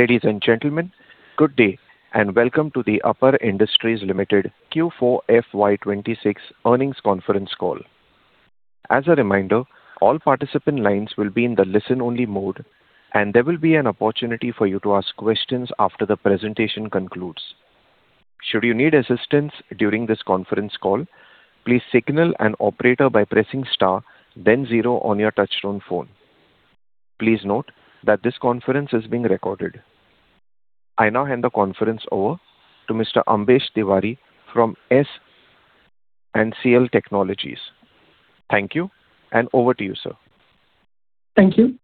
Ladies and gentlemen, good day, and welcome to the APAR Industries Limited Q4 FY 2026 Earnings Conference Call. I now hand the conference over to Mr. Ambesh Tiwari from S-Ancial Technologies. Thank you, and over to you, sir. Thank you.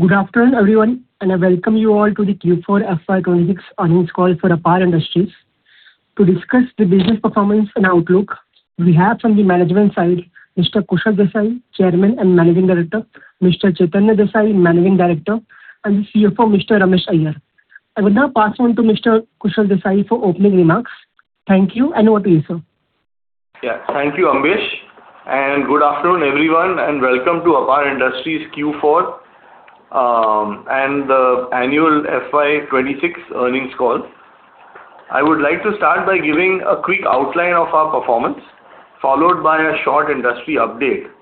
Good afternoon, everyone. I welcome you all to the Q4 FY 2026 earnings call for APAR Industries. To discuss the business performance and outlook, we have from the management side, Mr. Kushal Desai, Chairman and Managing Director, Mr. Chaitanya Desai, Managing Director, and Chief Financial Officer, Mr. Ramesh Seshan Iyer. I will now pass on to Mr. Kushal Desai for opening remarks. Thank you, and over to you, sir. Thank you, Ambesh, and good afternoon, everyone, and welcome to APAR Industries Q4 and the annual FY 2026 earnings call. I would like to start by giving a quick outline of our performance, followed by a short industry update.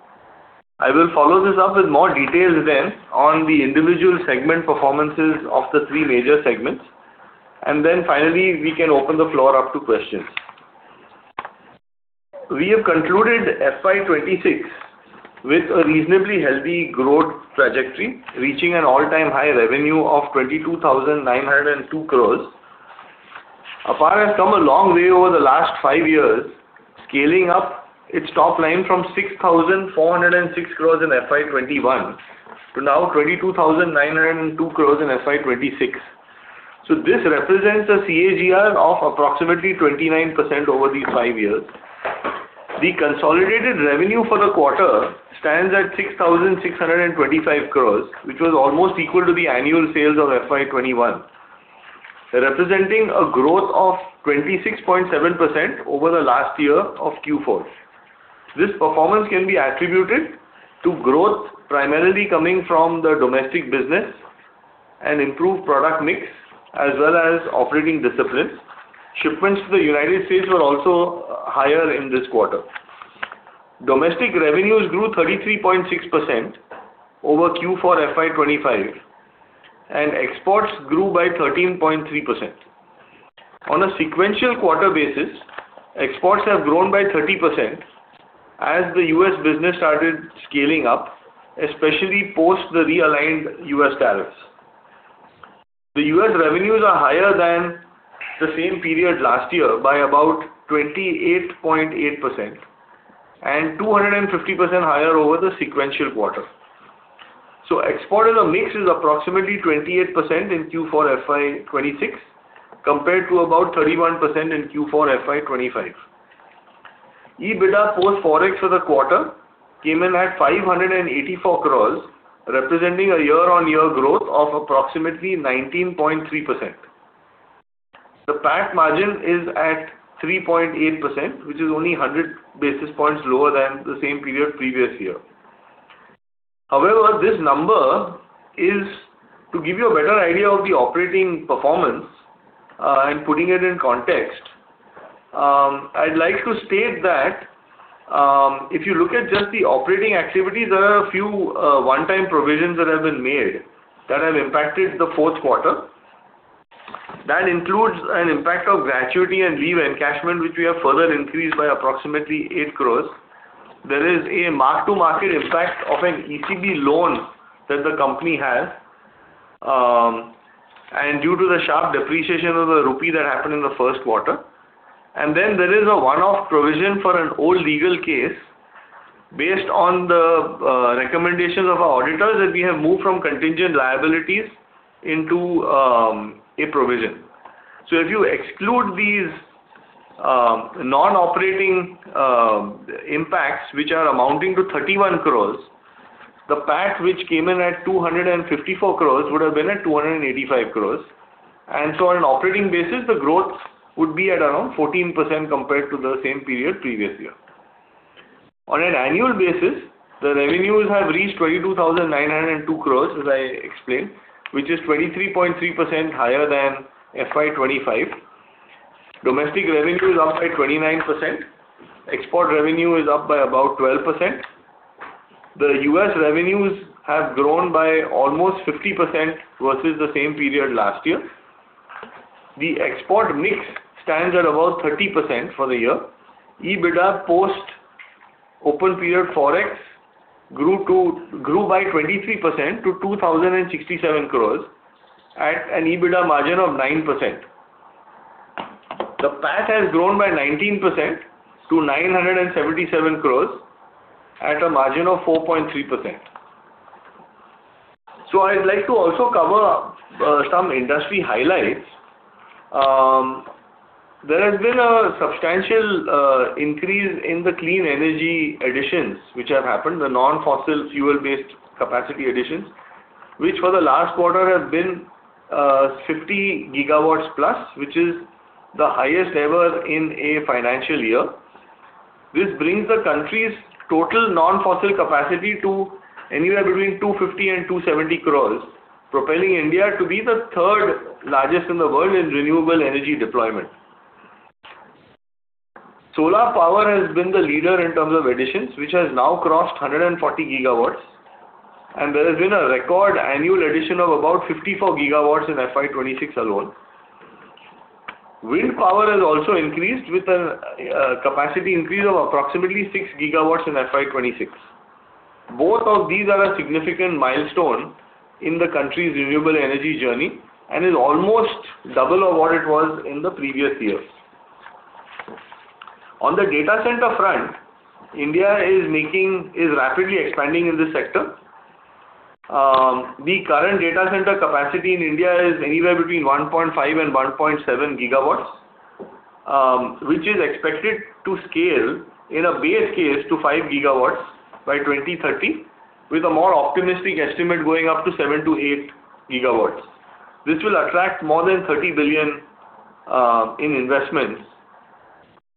I will follow this up with more details then on the individual segment performances of the three major segments, and then finally, we can open the floor up to questions. We have concluded FY 2026 with a reasonably healthy growth trajectory, reaching an all-time high revenue of 22,902 crores. APAR has come a long way over the last five years, scaling up its top line from 6,406 crores in FY 2021 to now 22,902 crores in FY 2026. This represents a CAGR of approximately 29% over these five years. The consolidated revenue for the quarter stands at 6,625 crore, which was almost equal to the annual sales of FY 2021, representing a growth of 26.7% over the last year of Q4. This performance can be attributed to growth primarily coming from the domestic business and improved product mix as well as operating disciplines. Shipments to the United States were also higher in this quarter. Domestic revenues grew 33.6% over Q4 FY 2025, and exports grew by 13.3%. On a sequential quarter basis, exports have grown by 30% as the U.S. business started scaling up, especially post the realigned U.S. tariffs. The U.S. revenues are higher than the same period last year by about 28.8% and 250% higher over the sequential quarter. Export as a mix is approximately 28% in Q4 FY 2026, compared to about 31% in Q4 FY 2025. EBITDA post Forex for the quarter came in at 584 crore, representing a year-on-year growth of approximately 19.3%. The PAT margin is at 3.8%, which is only 100 basis points lower than the same period previous year. This number is to give you a better idea of the operating performance, and putting it in context, I'd like to state that if you look at just the operating activities, there are a few one-time provisions that have been made that have impacted the fourth quarter. That includes an impact of gratuity and leave encashment, which we have further increased by approximately eight crore. There is a mark-to-market impact of an ECB loan that the company has, and due to the sharp depreciation of the rupee that happened in the first quarter. There is a one-off provision for an old legal case based on the recommendation of our auditors that we have moved from contingent liabilities into a provision. If you exclude these non-operating impacts, which are amounting to 31 crore, the PAT which came in at 254 crore would have been at 285 crore on an operating basis, the growth would be at around 14% compared to the same period previous year. On an annual basis, the revenues have reached 22,902 crore, as I explained, which is 23.3% higher than FY 2025. Domestic revenue is up by 29%. Export revenue is up by about 12%. The U.S. revenues have grown by almost 50% versus the same period last year. The export mix stands at about 30% for the year. EBITDA post open period Forex grew by 23% to 2,067 crore at an EBITDA margin of 9%. The PAT has grown by 19% to 977 crore at a margin of 4.3%. I'd like to also cover some industry highlights. There has been a substantial increase in the clean energy additions which have happened, the non-fossil fuel based capacity additions. Which for the last quarter have been 50 GW plus, which is the highest ever in a financial year. This brings the country's total non-fossil capacity to anywhere between 250 GW and 270 GW, propelling India to be the third largest in the world in renewable energy deployment. Solar power has been the leader in terms of additions, which has now crossed 140 GW, and there has been a record annual addition of about 54 GW in FY 2026 alone. Wind power has also increased with a capacity increase of approximately six GW in FY 2026. Both of these are a significant milestone in the country's renewable energy journey and is almost double of what it was in the previous years. On the data center front, India is rapidly expanding in this sector. The current data center capacity in India is anywhere between 1.5 GW and 1.7 GW, which is expected to scale in a base case to 5 GW by 2030, with a more optimistic estimate going up to 7 GW-8 GW. This will attract more than 30 billion in investments,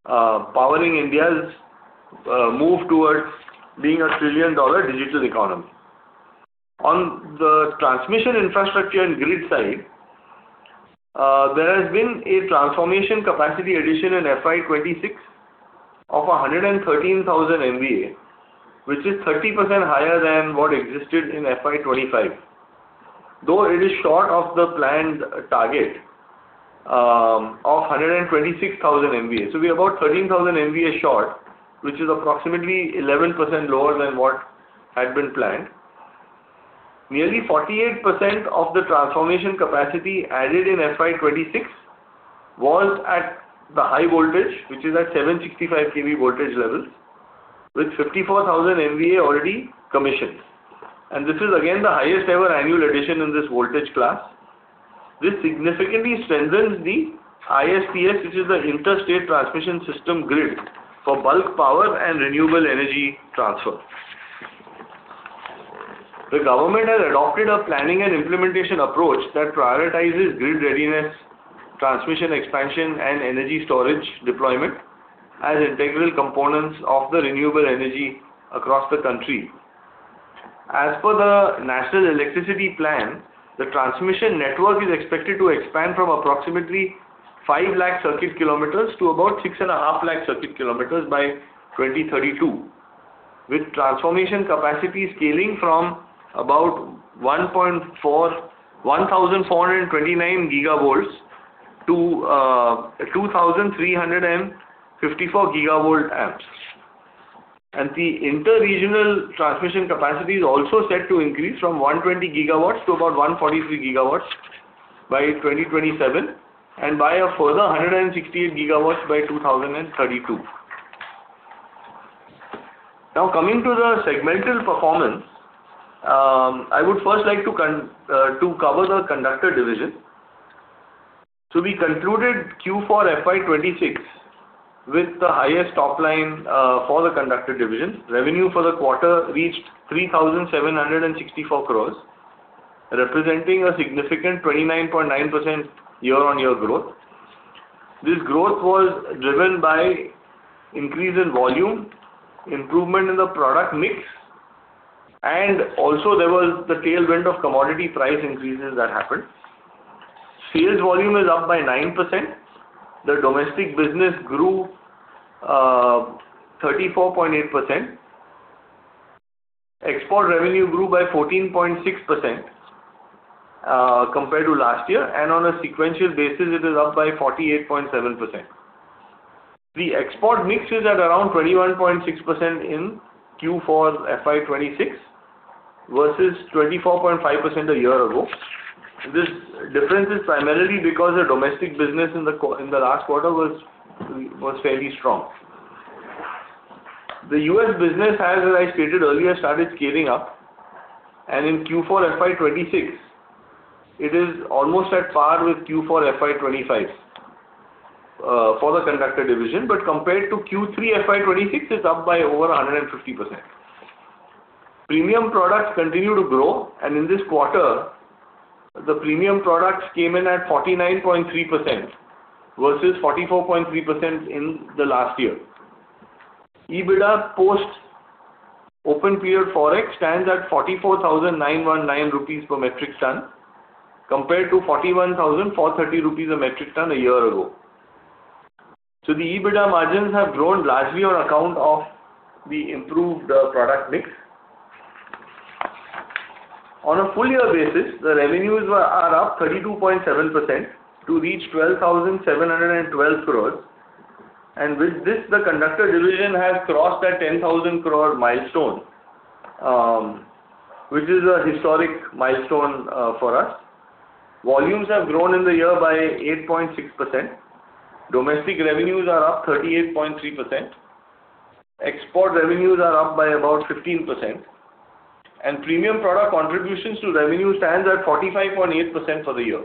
powering India's move towards being a trillion-dollar digital economy. On the transmission infrastructure and grid side, there has been a transformation capacity addition in FY 2026 of 113,000 MVA, which is 30% higher than what existed in FY 2025, though it is short of the planned target of 126,000 MVA. We are about 13,000 MVA short, which is approximately 11% lower than what had been planned. Nearly 48% of the transformation capacity added in FY 2026 was at the high voltage, which is at 765 kV voltage levels, with 54,000 MVA already commissioned. This is again the highest ever annual addition in this voltage class. This significantly strengthens the ISTS, which is the Inter-State Transmission System Grid, for bulk power and renewable energy transfer. The government has adopted a planning and implementation approach that prioritizes grid readiness, transmission expansion, and energy storage deployment as integral components of the renewable energy across the country. As per the National Electricity Plan, the transmission network is expected to expand from approximately 5 lakh circuit kilometers to about 6.5 Lakh circuit kilometers by 2032, with transformation capacity scaling from about 1,429 gigavolts to 2,354 gigavolt amps. The inter-regional transmission capacity is also set to increase from 120 GW to about 143 GW by 2027, and by a further 168 GW by 2032. Coming to the segmental performance. I would first like to cover the conductor division. We concluded Q4 FY 2026 with the highest top line for the conductor division. Revenue for the quarter reached 3,764 crores, representing a significant 29.9% year-on-year growth. This growth was driven by increase in volume, improvement in the product mix, and also there was the tailwind of commodity price increases that happened. Sales volume is up by 9%. The domestic business grew 34.8%. Export revenue grew by 14.6% compared to last year, and on a sequential basis, it is up by 48.7%. The export mix is at around 21.6% in Q4 FY 2026 versus 24.5% a year ago. This difference is primarily because the domestic business in the last quarter was fairly strong. The U.S. business, as I stated earlier, started scaling up, and in Q4 FY 2026, it is almost at par with Q4 FY 2025 for the conductor division. Compared to Q3 FY 2026, it's up by over 150%. Premium products continue to grow, and in this quarter, the premium products came in at 49.3% versus 44.3% in the last year. EBITDA post open period Forex stands at 44,919 rupees per metric ton compared to 41,430 rupees a metric ton a year ago. The EBITDA margins have grown largely on account of the improved product mix. On a full year basis, the revenues are up 32.7% to reach 12,712 crores. With this, the conductor division has crossed that 10,000 crore milestone, which is a historic milestone for us. Volumes have grown in the year by 8.6%. Domestic revenues are up 38.3%. Export revenues are up by about 15%. Premium product contributions to revenue stands at 45.8% for the year.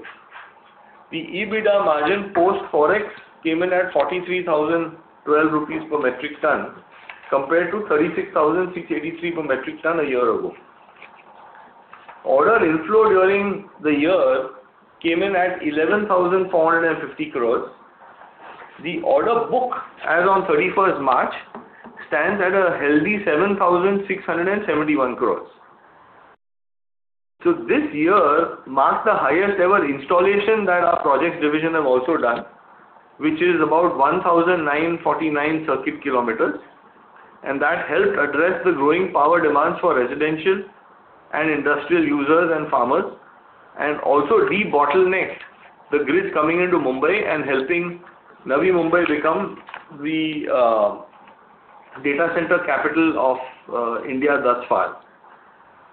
The EBITDA margin post Forex came in at 43,012 rupees per metric ton compared to 36,683 per metric ton a year ago. Order inflow during the year came in at 11,450 crores. The order book as on 31st March stands at a healthy 7,671 crores. This year marks the highest ever installation that our projects division have also done, which is about 1,949 circuit kilometers, and that helped address the growing power demands for residential and industrial users and farmers, and also de-bottlenecked the grids coming into Mumbai and helping Navi Mumbai become the data center capital of India thus far.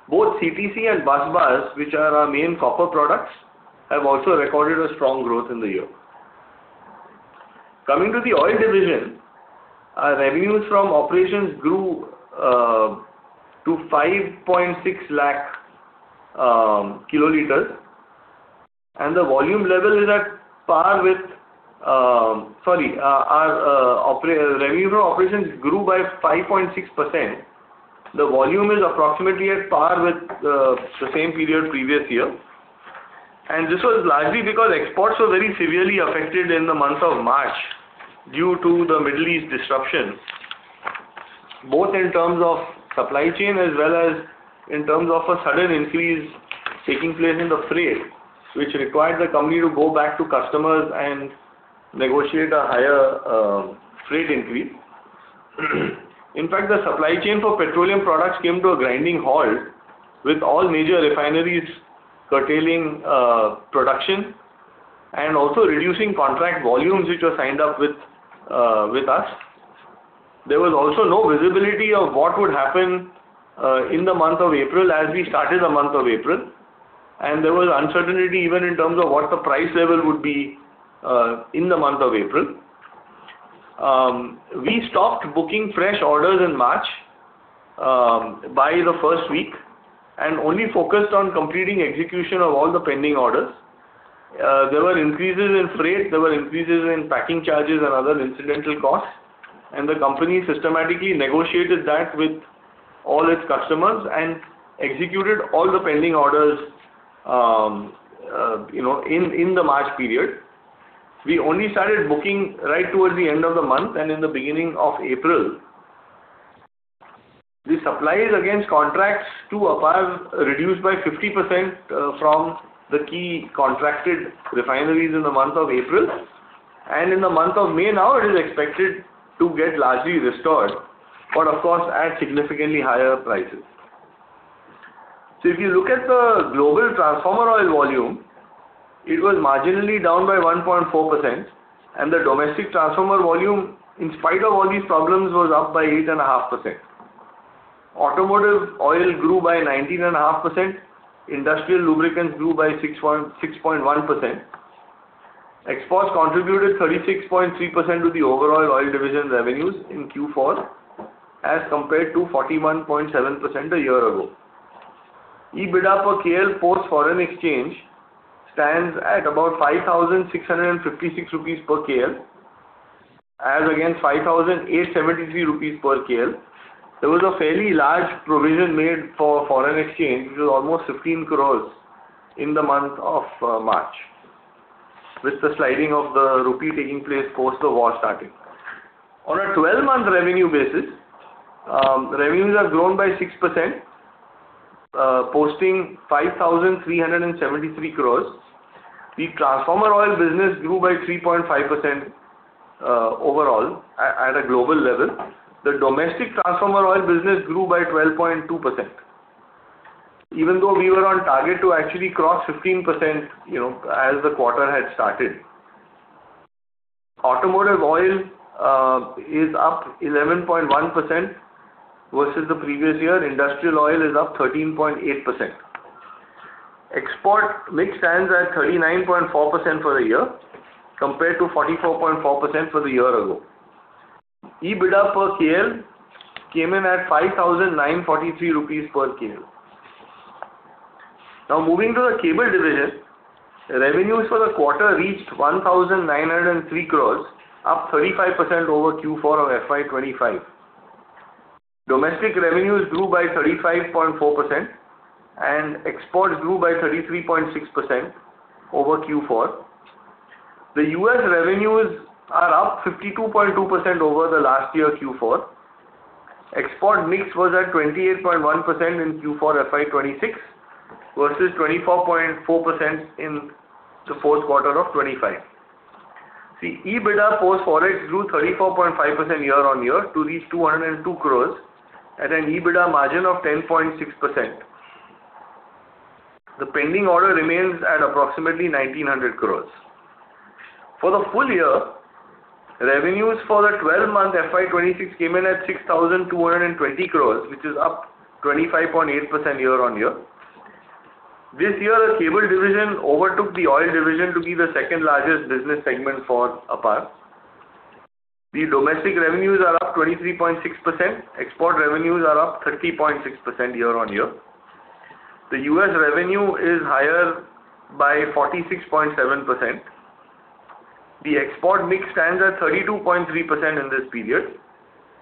Both CTC and busbars, which are our main copper products, have also recorded a strong growth in the year. Coming to the oil division, our revenues from operations grew by 5.6%. The volume is approximately at par with the same period previous year, and this was largely because exports were very severely affected in the month of March due to the Middle East disruption, both in terms of supply chain as well as in terms of a sudden increase taking place in the freight, which required the company to go back to customers and negotiate a higher freight increase. In fact, the supply chain for petroleum products came to a grinding halt with all major refineries curtailing production and also reducing contract volumes which were signed up with us. There was also no visibility of what would happen in the month of April as we started the month of April, and there was uncertainty even in terms of what the price level would be in the month of April. We stopped booking fresh orders in March by the first week and only focused on completing execution of all the pending orders. There were increases in freight, there were increases in packing charges and other incidental costs, and the company systematically negotiated that with all its customers and executed all the pending orders in the March period. We only started booking right towards the end of the month and in the beginning of April. The supplies against contracts too have reduced by 50% from the key contracted refineries in the month of April, and in the month of May now, it is expected to get largely restored, but of course, at significantly higher prices. If you look at the global transformer oil volume, it was marginally down by 1.4%, and the domestic transformer volume, in spite of all these problems, was up by 8.5%. Automotive oil grew by 19.5%. Industrial lubricants grew by 6.1%. Exports contributed 36.3% to the overall oil division revenues in Q4 as compared to 41.7% a year ago. EBITDA per KL post foreign exchange stands at about 5,656 rupees per KL as against 5,873 rupees per KL. There was a fairly large provision made for foreign exchange, which was almost 15 crore in the month of March, with the sliding of the rupee taking place post the war starting. On a 12-month revenue basis, revenues have grown by 6%, posting 5,373 crore. The transformer oil business grew by 3.5% overall at a global level. The domestic transformer oil business grew by 12.2%, even though we were on target to actually cross 15% as the quarter had started. Automotive oil is up 11.1% versus the previous year. Industrial oil is up 13.8%. Export mix stands at 39.4% for the year compared to 44.4% for the year ago. EBITDA per KL came in at 5,943 rupees per KL. Moving to the cable division. Revenues for the quarter reached 1,903 crores, up 35% over Q4 of FY 2025. Domestic revenues grew by 35.4% and exports grew by 33.6% over Q4. The U.S. revenues are up 52.2% over the last year Q4. Export mix was at 28.1% in Q4 FY 2026 versus 24.4% in the fourth quarter of 2025. See, EBITDA post Forex grew 34.5% year-on-year to reach 202 crores at an EBITDA margin of 10.6%. The pending order remains at approximately 1,900 crores. For the full year, revenues for the 12-month FY 2026 came in at 6,220 crores, which is up 25.8% year-on-year. This year, the cable division overtook the oil division to be the second largest business segment for APAR. The domestic revenues are up 23.6%. Export revenues are up 30.6% year-over-year. The U.S. revenue is higher by 46.7%. The export mix stands at 32.3% in this period.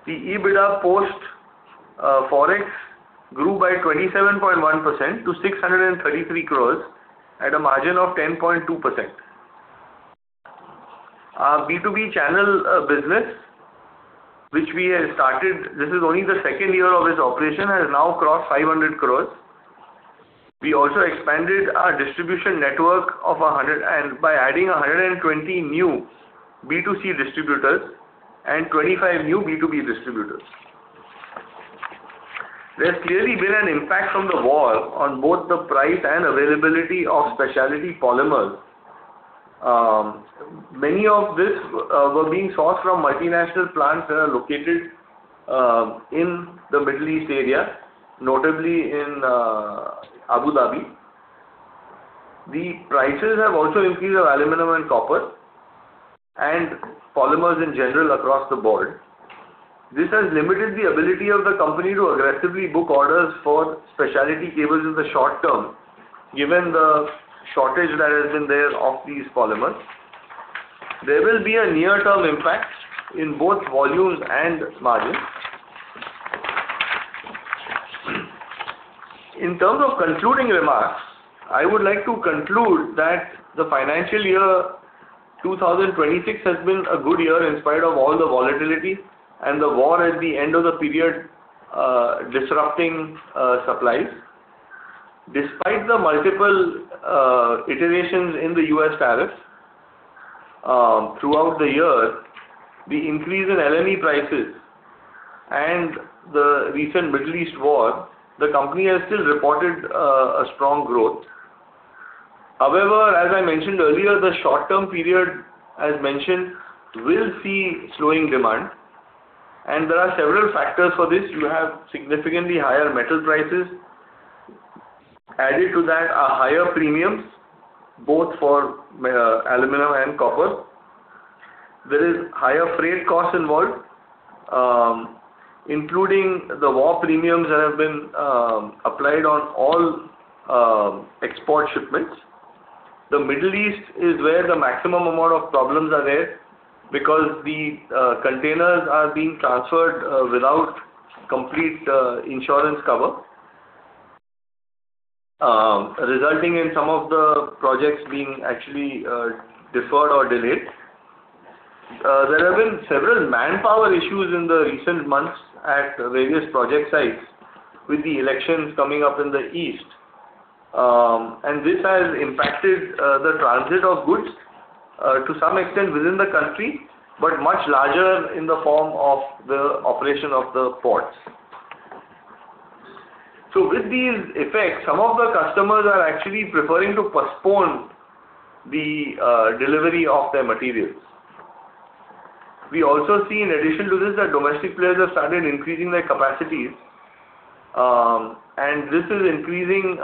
The EBITDA post forex grew by 27.1% to 633 crores at a margin of 10.2%. Our B2B channel business, this is only the second year of its operation, has now crossed 500 crores. We also expanded our distribution network by adding 120 new B2C distributors and 25 new B2B distributors. There's clearly been an impact from the war on both the price and availability of specialty polymers. Many of this were being sourced from multinational plants that are located in the Middle East area, notably in Abu Dhabi. The prices have also increased of aluminum and copper and polymers in general across the board. This has limited the ability of the company to aggressively book orders for specialty cables in the short term, given the shortage that has been there of these polymers. There will be a near-term impact in both volumes and margins. In terms of concluding remarks, I would like to conclude that the financial year 2026 has been a good year in spite of all the volatility and the war at the end of the period disrupting supplies. Despite the multiple iterations in the U.S. tariffs throughout the year, the increase in LME prices, and the recent Middle East war, the company has still reported a strong growth. However, as I mentioned earlier, the short-term period, as mentioned, will see slowing demand, and there are several factors for this. You have significantly higher metal prices. Added to that are higher premiums, both for aluminum and copper. There is higher freight cost involved, including the war premiums that have been applied on all export shipments. The Middle East is where the maximum amount of problems are there because the containers are being transferred without complete insurance cover, resulting in some of the projects being actually deferred or delayed. There have been several manpower issues in the recent months at various project sites with the elections coming up in the East. This has impacted the transit of goods to some extent within the country, but much larger in the form of the operation of the ports. With these effects, some of the customers are actually preferring to postpone the delivery of their materials. We also see in addition to this, that domestic players have started increasing their capacities. This is increasing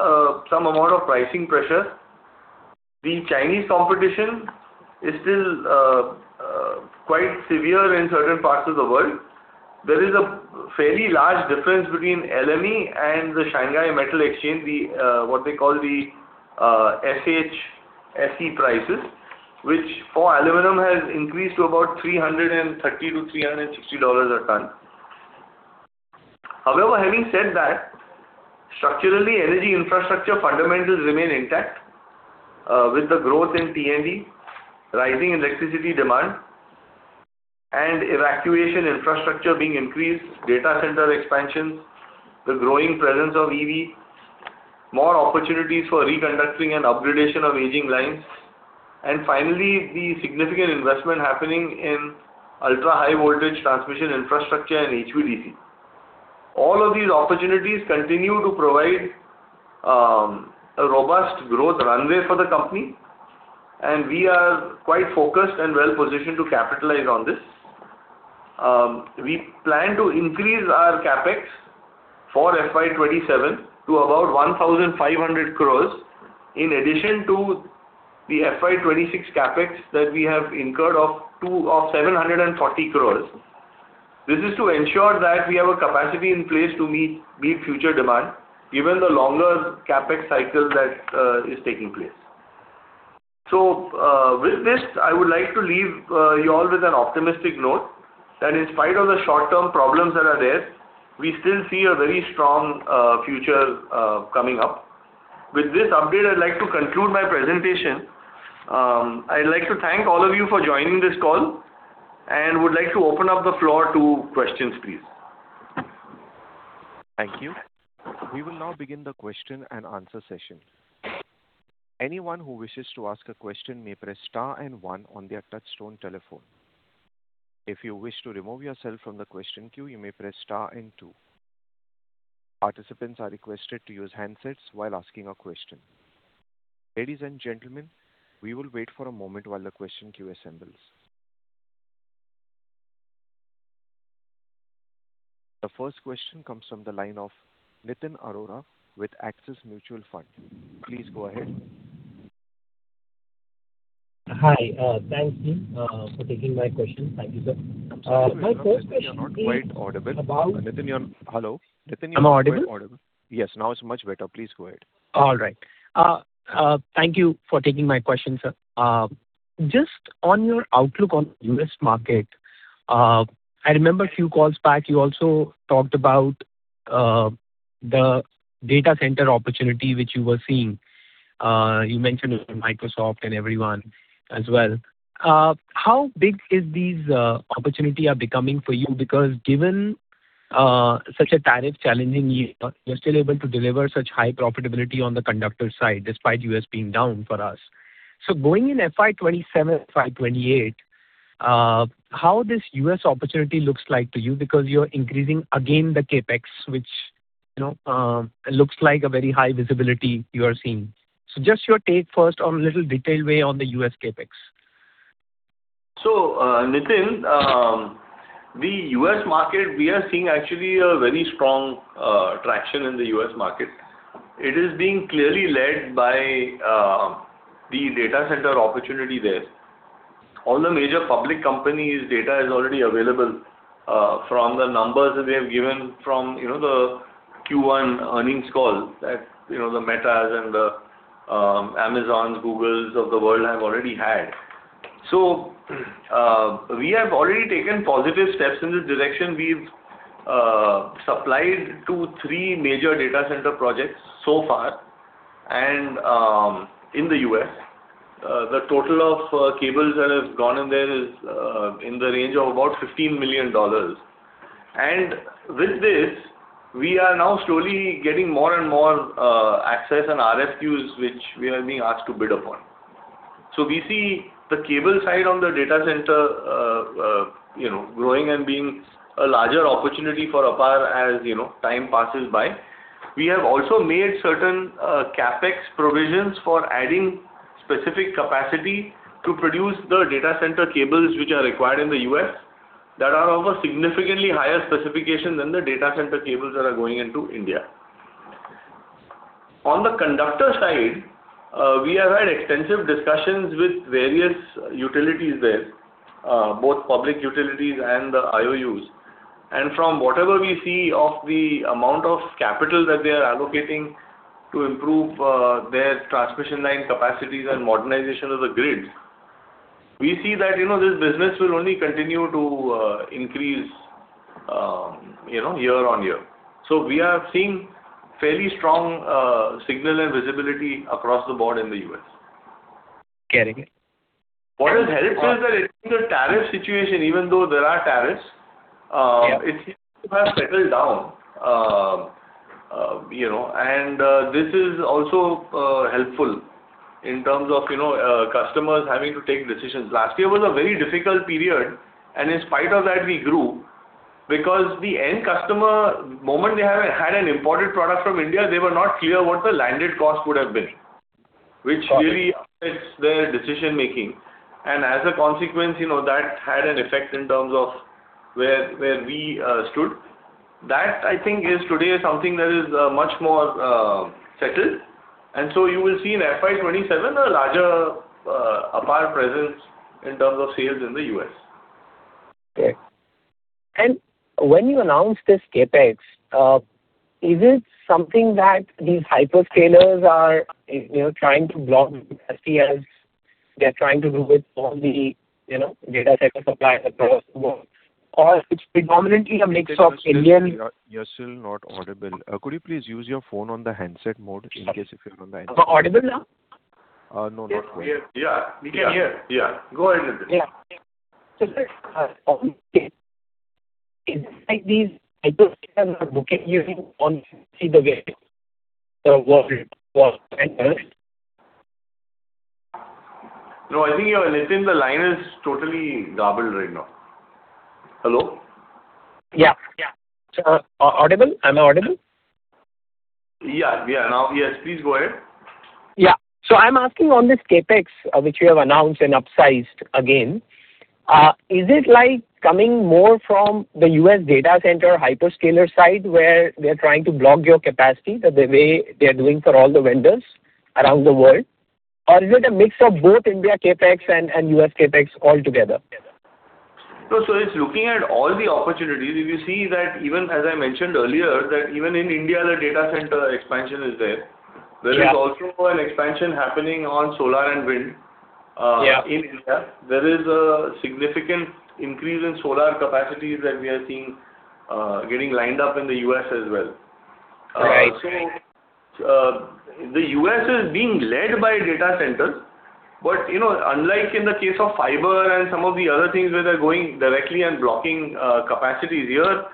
some amount of pricing pressure. The Chinese competition is still quite severe in certain parts of the world. There is a fairly large difference between LME and the Shanghai Metal Exchange, what they call the SHFE prices, which for aluminum has increased to about $330-$360 a ton. Having said that, structurally energy infrastructure fundamentals remain intact with the growth in T&D, rising electricity demand, and evacuation infrastructure being increased, data center expansions, the growing presence of EV, more opportunities for reconductoring and up-gradation of aging lines, and finally, the significant investment happening in ultra high voltage transmission infrastructure and HVDC. All of these opportunities continue to provide a robust growth runway for the company, and we are quite focused and well-positioned to capitalize on this. We plan to increase our CapEx for FY 2027 to about 1,500 crores, in addition to the FY 2026 CapEx that we have incurred of 740 crores. This is to ensure that we have a capacity in place to meet future demand, given the longer CapEx cycle that is taking place. With this, I would like to leave you all with an optimistic note that in spite of the short-term problems that are there, we still see a very strong future coming up. With this update, I'd like to conclude my presentation. I'd like to thank all of you for joining this call and would like to open up the floor to questions, please. Thank you. We will now begin the question and answer session. Anyone who wishes to ask a question may press star and one on their touchtone telephone. If you wish to remove yourself from the question queue, you may press star and two. Participants are requested to use handsets while asking a question. Ladies and gentlemen, we will wait for a moment while the question queue assembles. The first question comes from the line of Nitin Arora with Axis Mutual Fund. Please go ahead. Hi, thanks for taking my question. Thank you, sir. I'm sorry, Nitin. You are not quite audible. Hello? Nitin. Am I audible? Yes. Now it's much better. Please go ahead. All right. Thank you for taking my question, sir. Just on your outlook on U.S. market, I remember a few calls back, you also talked about the data center opportunity which you were seeing. You mentioned Microsoft and everyone as well. How big is these opportunity are becoming for you? Given such a tariff challenging year, you're still able to deliver such high profitability on the conductor side despite U.S. being down for us. Going in FY 2027, FY 2028, how this U.S. opportunity looks like to you because you're increasing again the CapEx, which looks like a very high visibility you are seeing. Just your take first on a little detail way on the U.S. CapEx. Nitin, the U.S. market, we are seeing actually a very strong traction in the U.S. market. It is being clearly led by the data center opportunity there. All the major public companies data is already available, from the numbers that they have given from the Q1 earnings call that the Metas and the Amazons, Googles of the world have already had. We have already taken positive steps in this direction. We've supplied to three major data center projects so far in the U.S. The total of cables that have gone in there is in the range of about $15 million. With this, we are now slowly getting more and more access and RFQs which we are being asked to bid upon. We see the cable side on the data center growing and being a larger opportunity for APAR as time passes by. We have also made certain CapEx provisions for adding specific capacity to produce the data center cables which are required in the U.S. that are of a significantly higher specification than the data center cables that are going into India. On the conductor side, we have had extensive discussions with various utilities there, both public utilities and the IOUs. From whatever we see of the amount of capital that they are allocating to improve their transmission line capacities and modernization of the grids, we see that this business will only continue to increase year on year. We are seeing fairly strong signal and visibility across the board in the U.S. Getting it. What has helped us is that in the tariff situation, even though there are tariffs- Yeah It seems to have settled down. This is also helpful in terms of customers having to take decisions. Last year was a very difficult period, and in spite of that, we grew because the end customer, the moment they had an imported product from India, they were not clear what the landed cost would have been, which really affects their decision-making. As a consequence, that had an effect in terms of where we stood. That, I think is today something that is much more settled. You will see in FY 2027 a larger APAR presence in terms of sales in the U.S. Okay. When you announced this CapEx, is it something that these hyperscalers are trying to block capacity as they're trying to do with all the data center suppliers across the world, or it's predominantly a mix of Indian- Nitin, you're still not audible. Could you please use your phone on the handset mode in case if you're on the internet. Am I audible now? No, not really. Yeah. We can hear. Yeah. Go ahead, Nitin. Yeah. sir, Is it like these hyperscalers are booking you on the vendors? No, I think, Nitin, the line is totally garbled right now. Hello? Yeah. Am I audible? Yeah. Now, yes, please go ahead. Yeah. I'm asking on this CapEx, which you have announced and upsized again. Is it coming more from the U.S. data center hyperscaler side where they're trying to block your capacity the way they are doing for all the vendors around the world? Or is it a mix of both India CapEx and U.S. CapEx altogether? No, it's looking at all the opportunities. If you see that, even as I mentioned earlier, that even in India, the data center expansion is there. Yeah. There is also an expansion happening on solar and wind- Yeah In India. There is a significant increase in solar capacity that we are seeing getting lined up in the U.S. as well. Right. The U.S. is being led by data centers, but unlike in the case of fiber and some of the other things where they're going directly and blocking capacities here,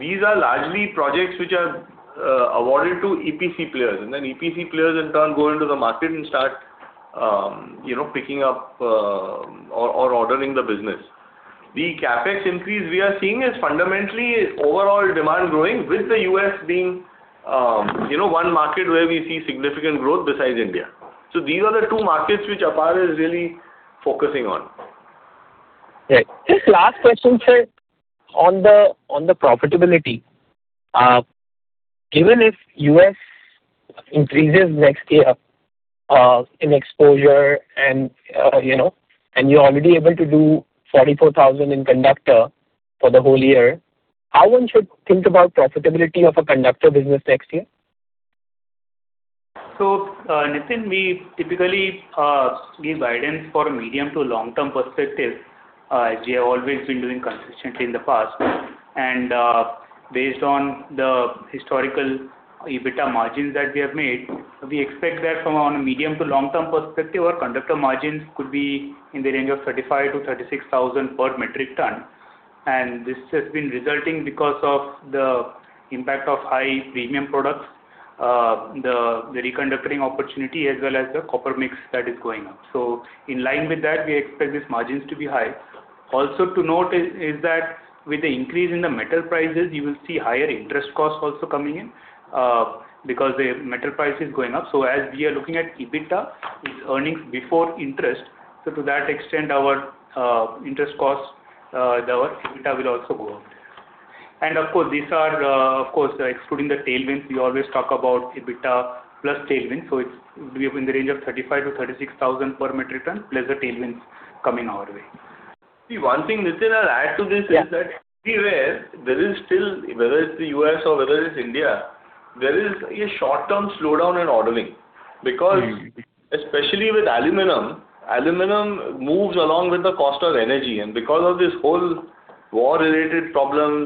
these are largely projects which are awarded to EPC players, and then EPC players in turn go into the market and start picking up or ordering the business. The CapEx increase we are seeing is fundamentally overall demand growing with the U.S. being one market where we see significant growth besides India. These are the two markets which APAR is really focusing on. Right. Just last question, sir, on the profitability. Given if U.S. increases next year in exposure, and you're already able to do 44,000 in conductor for the whole year. How one should think about profitability of a conductor business next year? Nitin, we typically give guidance for medium to long term perspective, as we have always been doing consistently in the past. Based on the historical EBITDA margins that we have made, we expect that from a medium to long term perspective, our conductor margins could be in the range of 35,000-36,000 per metric ton. This has been resulting because of the impact of high premium products, the re-conductoring opportunity, as well as the copper mix that is going up. In line with that, we expect these margins to be high. Also to note is that with the increase in the metal prices, you will see higher interest costs also coming in, because the metal price is going up. As we are looking at EBITDA, it's earnings before interest, to that extent, our interest costs, our EBITDA will also go up. Of course, these are excluding the tailwinds. We always talk about EBITDA plus tailwind, so it's in the range of 35,000-36,000 per metric ton, plus the tailwinds coming our way. See, one thing, Nitin, I'll add to this is that everywhere, whether it's the U.S. or whether it's India, there is a short-term slowdown in ordering. Especially with aluminum moves along with the cost of energy, and because of this whole war-related problem,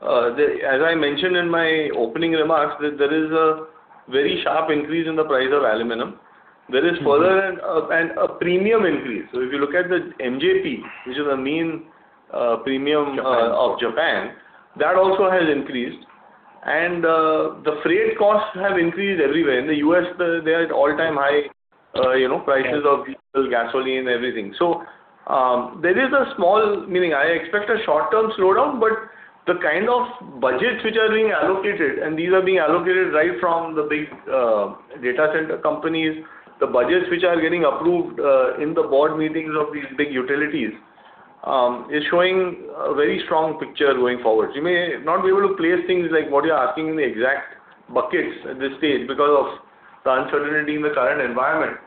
as I mentioned in my opening remarks, there is a very sharp increase in the price of aluminum. There is further a premium increase. If you look at the MJP, which is the main premium. Japan of Japan, that also has increased. The freight costs have increased everywhere. In the U.S., they're at all-time high prices of diesel, gasoline, everything. I expect a short-term slowdown, but the kind of budgets which are being allocated, and these are being allocated right from the big data center companies, the budgets which are getting approved in the board meetings of these big utilities, is showing a very strong picture going forward. You may not be able to place things like what you're asking in the exact buckets at this stage because of the uncertainty in the current environment.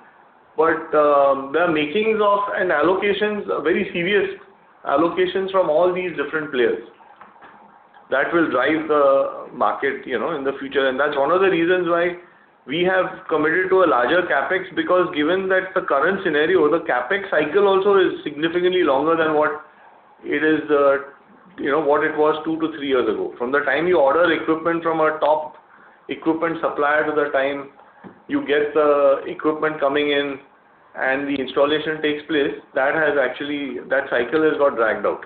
There are makings of and allocations, very serious allocations from all these different players that will drive the market in the future. That's one of the reasons why we have committed to a larger CapEx, because given that the current scenario, the CapEx cycle also is significantly longer than what it was two to three years ago. From the time you order equipment from a top equipment supplier to the time you get the equipment coming in and the installation takes place, that cycle has got dragged out.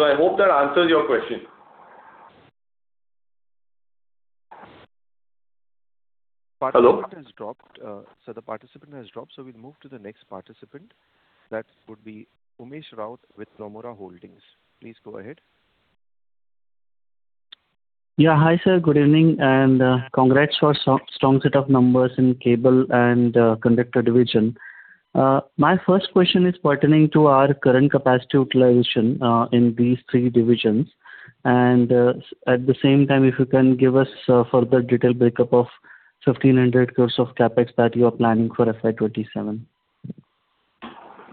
I hope that answers your question. Hello? Participant has dropped. The participant has dropped, we'll move to the next participant. That would be Umesh Raut with Nomura Holdings. Please go ahead. Yeah. Hi, sir. Good evening, and congrats for strong set of numbers in cable and conductor division. My first question is pertaining to our current capacity utilization in these three divisions. At the same time, if you can give us further detailed breakup of 1,500 crores of CapEx that you are planning for FY 2027.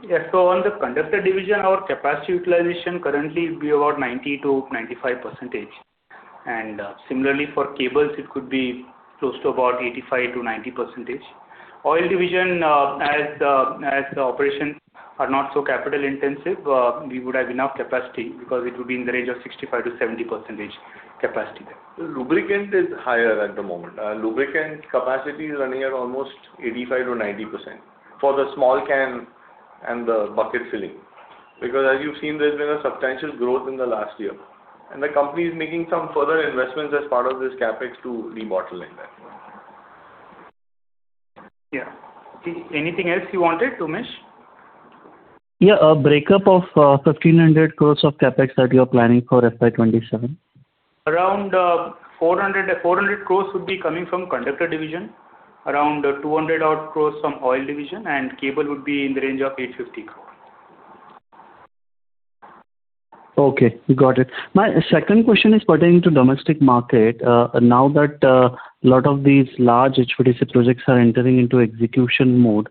Yeah. On the Conductor division, our capacity utilization currently will be about 90%-95%. Similarly for Cables, it could be close to about 85%-90%. Oil division, as the operations are not so capital intensive, we would have enough capacity because it would be in the range of 65%-70% capacity there. Lubricant is higher at the moment. Lubricant capacity is running at almost 85%-90% for the small can and the bucket filling. As you've seen, there's been a substantial growth in the last year, and the company is making some further investments as part of this CapEx to re-bottleneck that. Yeah. Anything else you wanted, Umesh? Yeah, a breakup of 1,500 crores of CapEx that you are planning for FY 2027. Around 400 crores would be coming from Conductor division, around 200 odd crores from Oil division, and Cable would be in the range of 850 crore. Okay, got it. My second question is pertaining to domestic market. Now that a lot of these large HVDC projects are entering into execution mode,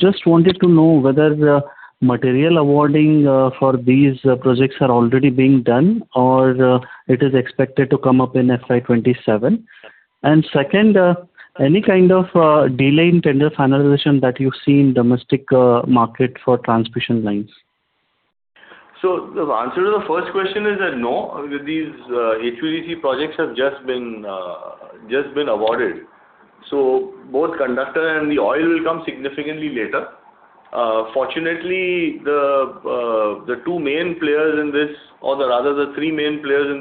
just wanted to know whether the material awarding for these projects are already being done or it is expected to come up in FY 2027. Second, any kind of delay in tender finalization that you see in domestic market for transmission lines? The answer to the first question is that no, these HVDC projects have just been awarded, so both conductor and the oil will come significantly later. Fortunately, the three main players in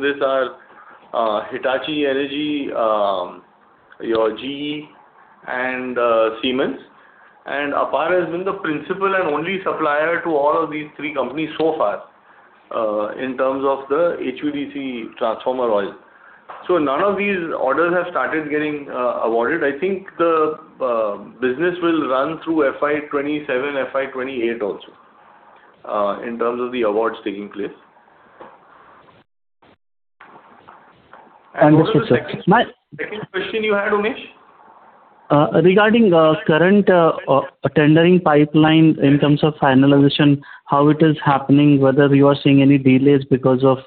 this are Hitachi Energy, GE, and Siemens. APAR has been the principal and only supplier to all of these three companies so far in terms of the HVDC transformer oil. None of these orders have started getting awarded. I think the business will run through FY 2027, FY 2028 also in terms of the awards taking place. What was the second question you had, Umesh? Regarding current tendering pipeline in terms of finalization, how it is happening, whether you are seeing any delays because of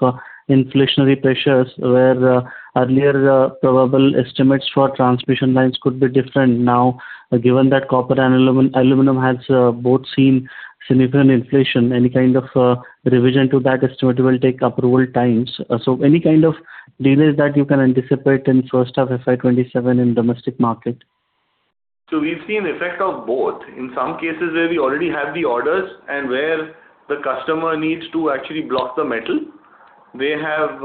inflationary pressures, where earlier probable estimates for transmission lines could be different now, given that copper and aluminum have both seen significant inflation. Any kind of revision to that estimate will take approval times. Any kind of delays that you can anticipate in first half FY 2027 in domestic market? We've seen effect of both. In some cases where we already have the orders and where the customer needs to actually block the metal, they have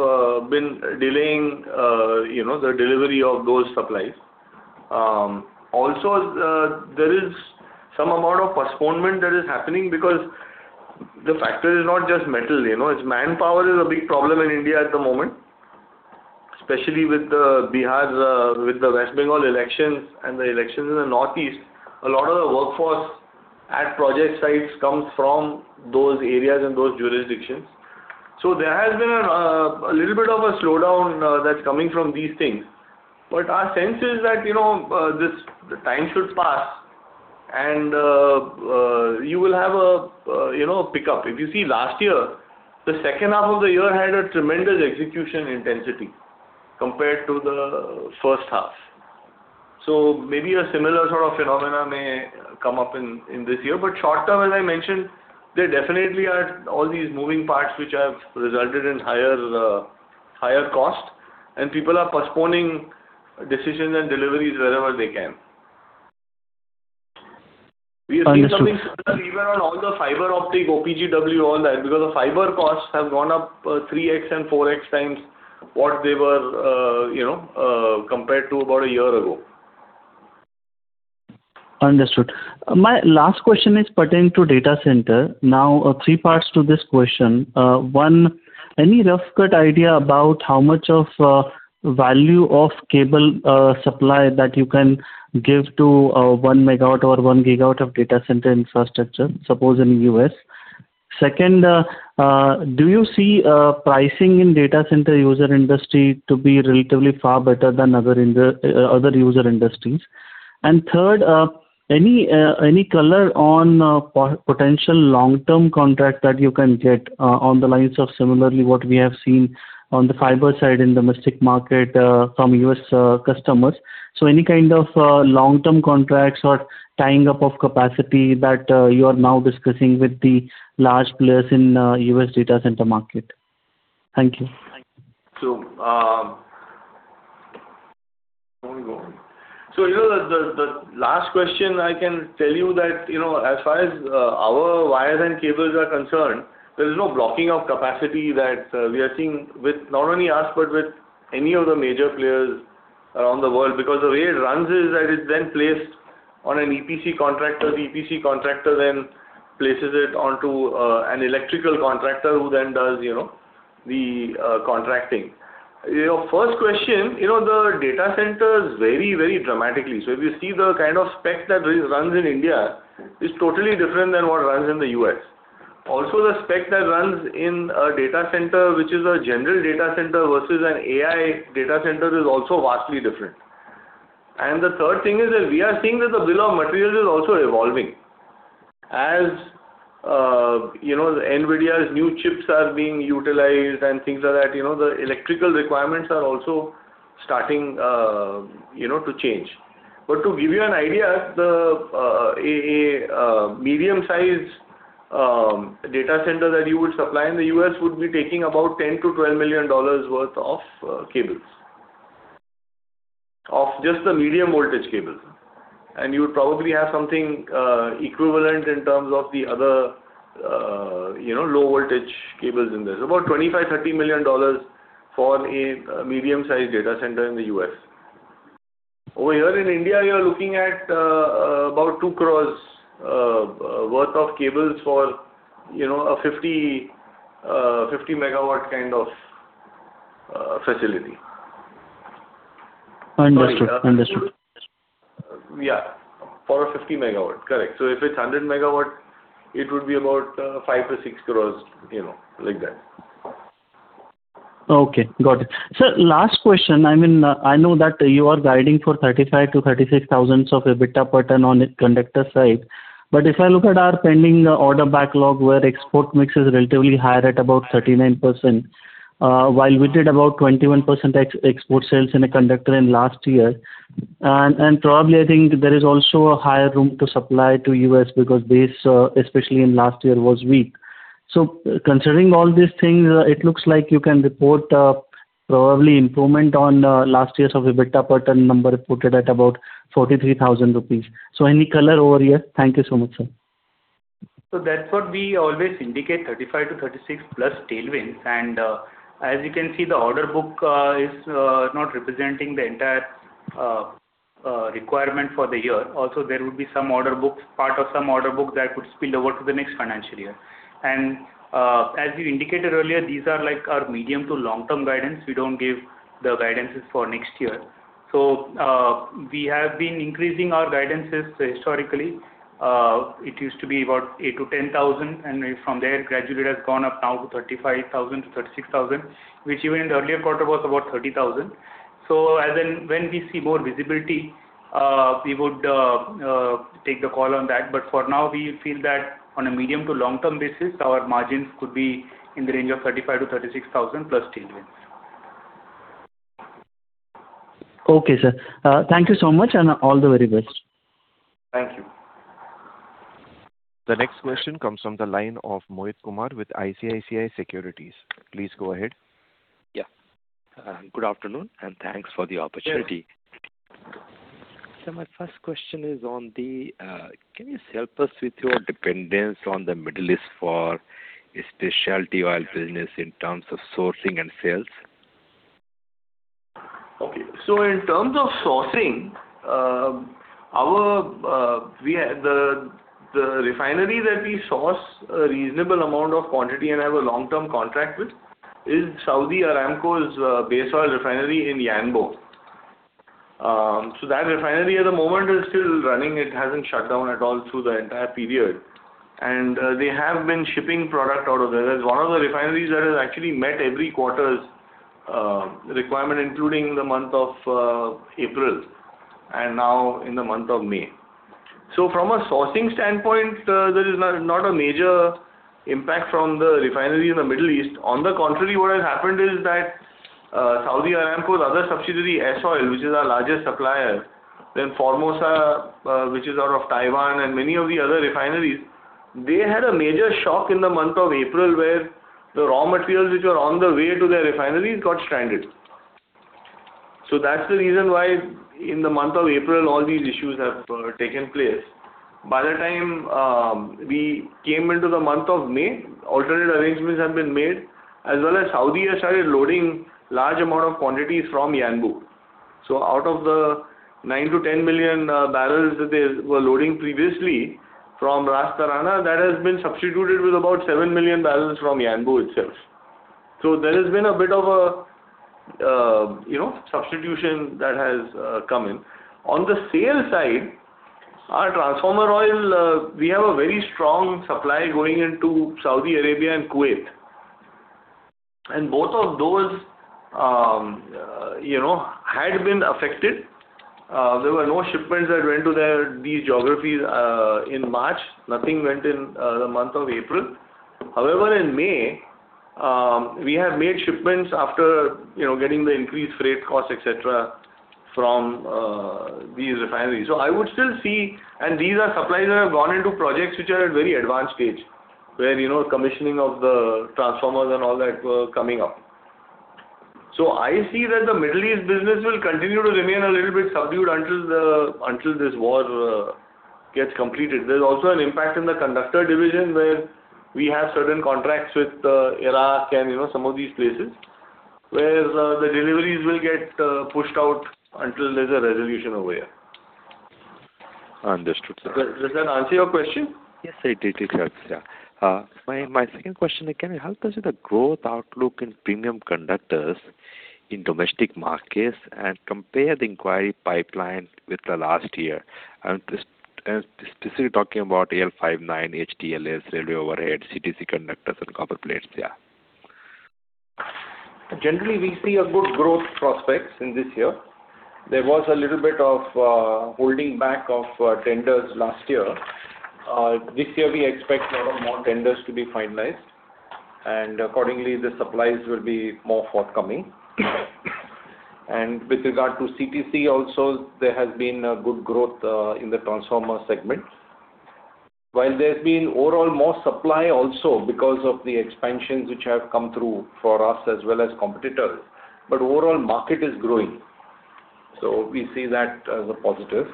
been delaying the delivery of those supplies. There is some amount of postponement that is happening because the factor is not just metal. Manpower is a big problem in India at the moment, especially with the Bihar, with the West Bengal elections and the elections in the Northeast. A lot of the workforce at project sites comes from those areas and those jurisdictions. There has been a little bit of a slowdown that's coming from these things. Our sense is that the time should pass and you will have a pickup. If you see last year, the second half of the year had a tremendous execution intensity compared to the first half. Maybe a similar sort of phenomenon may come up in this year. Short term, as I mentioned, there definitely are all these moving parts which have resulted in higher cost, and people are postponing decisions and deliveries wherever they can. Understood. We are seeing something similar even on all the fiber optic, OPGW, all that, because the fiber costs have gone up 3X and 4X times what they were compared to about a year ago. Understood. My last question is pertaining to data center. Three parts to this question. One, any rough idea about how much of value of cable supply that you can give to one megawatt or one gigawatt of data center infrastructure, suppose in U.S.? Second, do you see pricing in data center user industry to be relatively far better than other user industries? Third, any color on potential long-term contract that you can get on the lines of similarly what we have seen on the fiber side in domestic market from U.S. customers? Any kind of long-term contracts or tying up of capacity that you are now discussing with the large players in U.S. data center market? Thank you. The last question I can tell you that, as far as our wires and cables are concerned, there is no blocking of capacity that we are seeing with not only us, but with any of the major players around the world. Because the way it runs is that it's then placed on an EPC contractor. The EPC contractor then places it onto an electrical contractor who then does the contracting. First question, the data centers vary very dramatically. If you see the kind of spec that runs in India, it's totally different than what runs in the U.S. Also, the spec that runs in a data center, which is a general data center versus an AI data center, is also vastly different. The third thing is that we are seeing that the bill of materials is also evolving. As NVIDIA's new chips are being utilized and things like that, the electrical requirements are also starting to change. To give you an idea, a medium size data center that you would supply in the U.S. would be taking about $10 million-$12 million worth of cables, of just the medium voltage cables. You would probably have something equivalent in terms of the other low voltage cables in this. About $25 million-$30 million for a medium sized data center in the U.S. Over here in India, you are looking at about 2 crores worth of cables for a 50 MW kind of facility. Understood. For a 50 MW. Correct. If it's 100 MW, it would be about 5- 6 crores, like that. Okay, got it. Sir, last question. I know that you are guiding for 35,000-36,000 of EBITDA per ton on its conductor side, if I look at our pending order backlog where export mix is relatively higher at about 39%, while we did about 21% export sales in a conductor in last year. Probably, I think there is also a higher room to supply to U.S. because base, especially in last year, was weak. Considering all these things, it looks like you can report probably improvement on last year's EBITDA per ton number reported at about 43,000 rupees. Any color over here? Thank you so much, sir. That's what we always indicate, 35-36 plus tailwinds. As you can see, the order book is not representing the entire requirement for the year. Also, there would be some order books, part of some order book that could spill over to the next financial year. As we indicated earlier, these are our medium to long-term guidance. We don't give the guidances for next year. We have been increasing our guidances historically. It used to be about 8,000-10,000, and from there, gradually it has gone up now to 35,000-36,000, which even in the earlier quarter was about 30,000. When we see more visibility, we would take the call on that. For now, we feel that on a medium to long-term basis, our margins could be in the range of 35,000-36,000 plus tailwinds. Okay, sir. Thank you so much, and all the very best. Thank you. The next question comes from the line of Mohit Kumar with ICICI Securities. Please go ahead. Yeah. Good afternoon, and thanks for the opportunity. Sure. My first question is, can you help us with your dependence on the Middle East for the specialty oil business in terms of sourcing and sales? Okay. In terms of sourcing, the refinery that we source a reasonable amount of quantity and have a long-term contract with is Saudi Aramco's base oil refinery in Yanbu. That refinery at the moment is still running. It hasn't shut down at all through the entire period, and they have been shipping product out of there. That's one of the refineries that has actually met every quarter's requirement, including the month of April, and now in the month of May. From a sourcing standpoint, there is not a major impact from the refinery in the Middle East. On the contrary, what has happened is that Saudi Aramco's other subsidiary, S-Oil, which is our largest supplier, then Formosa, which is out of Taiwan, and many of the other refineries, they had a major shock in the month of April, where the raw materials which were on the way to their refineries got stranded. That's the reason why in the month of April, all these issues have taken place. By the time we came into the month of May, alternate arrangements have been made, as well as Saudi has started loading large amount of quantities from Yanbu. Out of the 9 million-10 million barrels that they were loading previously from Ras Tanura, that has been substituted with about 7 million barrels from Yanbu itself. There has been a bit of a substitution that has come in. On the sales side, our transformer oil, we have a very strong supply going into Saudi Arabia and Kuwait, and both of those had been affected. There were no shipments that went to these geographies in March. Nothing went in the month of April. However, in May, we have made shipments after getting the increased freight costs, et cetera, from these refineries. I would still see, and these are supplies that have gone into projects which are at very advanced stage, where commissioning of the transformers and all that were coming up. I see that the Middle East business will continue to remain a little bit subdued until this war gets completed. There's also an impact in the conductor division, where we have certain contracts with Iraq and some of these places, where the deliveries will get pushed out until there's a resolution over here. Understood, sir. Does that answer your question? Yes, it does. My second question, can you help us with the growth outlook in premium conductors in domestic markets and compare the inquiry pipeline with the last year? I am specifically talking about AL-59, HTLS, railway overhead, CTC conductors, and copper plates. Generally, we see a good growth prospects in this year. There was a little bit of holding back of tenders last year. This year, we expect a lot of more tenders to be finalized, accordingly, the supplies will be more forthcoming. With regard to CTC also, there has been a good growth in the transformer segment. While there's been overall more supply also because of the expansions which have come through for us as well as competitors, overall market is growing. We see that as a positive.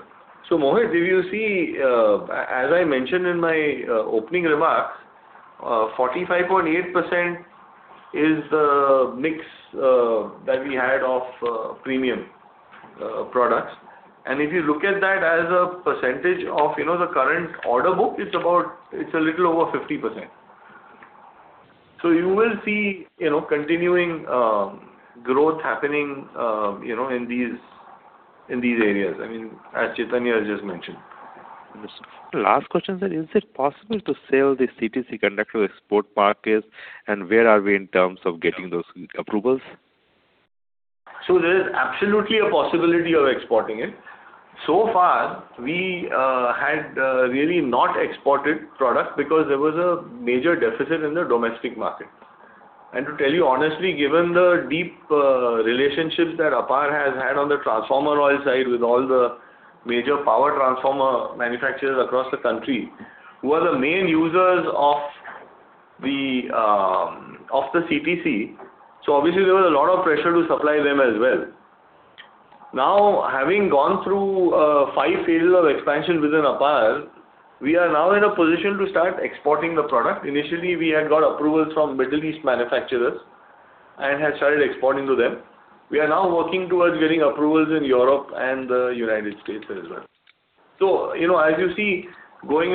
Mohit, if you see, as I mentioned in my opening remarks, 45.8% is the mix that we had of premium products. If you look at that as a percentage of the current order book, it's a little over 50%. You will see continuing growth happening in these areas, as Chaitanya just mentioned. Understood. Last question, sir. Is it possible to sell the CTC conductor to export markets, and where are we in terms of getting those approvals? There is absolutely a possibility of exporting it. Far, we had really not exported product because there was a major deficit in the domestic market. To tell you honestly, given the deep relationships that APAR has had on the transformer oil side with all the major power transformer manufacturers across the country, who are the main users of the CTC, obviously there was a lot of pressure to supply them as well. Now, having gone through five phases of expansion within APAR, we are now in a position to start exporting the product. Initially, we had got approvals from Middle East manufacturers and had started exporting to them. We are now working towards getting approvals in Europe and the United States as well. As you see, as we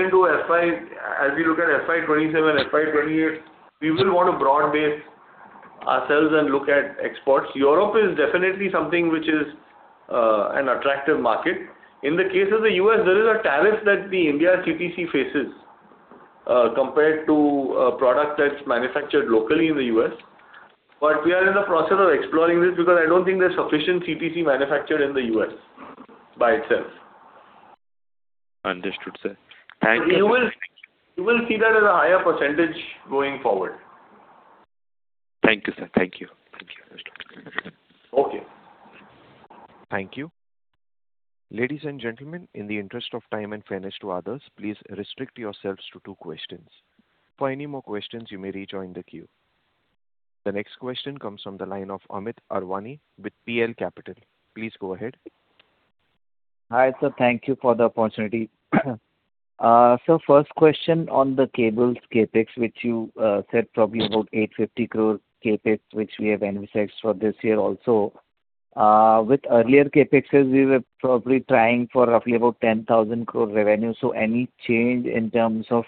look at FY 2027, FY 2028, we will want to broad base ourselves and look at exports. Europe is definitely something which is an attractive market. In the case of the U.S., there is a tariff that the India CTC faces, compared to a product that's manufactured locally in the U.S. We are in the process of exploring this because I don't think there's sufficient CTC manufactured in the U.S. by itself. Understood, sir. Thank you. You will see that as a higher percentage going forward. Thank you, sir. Thank you. Understood. Okay. Thank you. Ladies and gentlemen, in the interest of time and fairness to others, please restrict yourselves to two questions. For any more questions, you may rejoin the queue. The next question comes from the line of Amit Anwani with PL Capital. Please go ahead. Hi, sir. Thank you for the opportunity. Sir, first question on the cables CapEx, which you said probably about 850 crore CapEx, which we have envisaged for this year also. With earlier CapExes, we were probably trying for roughly about 10,000 crore revenue. Any change in terms of